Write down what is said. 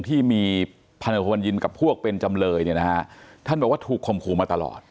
ที่มีพันธบัญญินกับพวกเป็นจำเลยเนี่ยนะฮะท่านบอกว่าถูกคมคู่มาตลอด